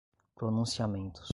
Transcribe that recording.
pronunciamentos